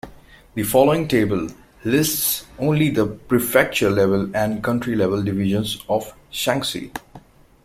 The following table lists only the prefecture-level and county-level divisions of Shanxi.